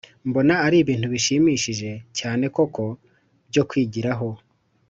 mbona ari ibintu binshimishije cyane koko byo kwigiraho